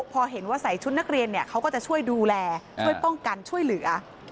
พอเห็นว่าใส่ชุดนักเรียนเขาก็จะช่วยดูแลช่วยป้องกันช่วยเหลือ